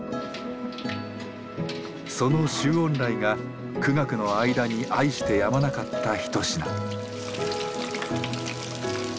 その周恩来が苦学の間に愛してやまなかった一品。